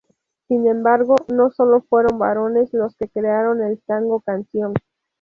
Sin embargo no solo fueron varones los que crearon el tango canción.